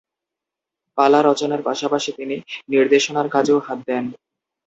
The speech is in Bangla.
পালা রচনার পাশাপাশি তিনি নির্দেশনার কাজেও হাত দেন।